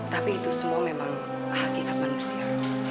tapi itu semua memang hakikat manusia